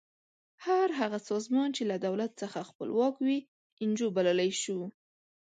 هر هغه سازمان چې له دولت څخه خپلواک وي انجو بللی شو.